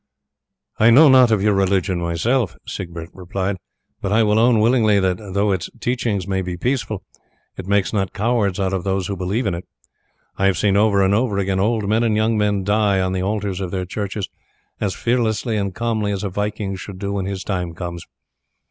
"I know not of your religion myself," Siegbert replied, "but I will own willingly that though its teachings may be peaceful, it makes not cowards of those who believe in it. I have seen over and over again old men and young men die on the altars of their churches as fearlessly and calmly as a Viking should do when his time comes.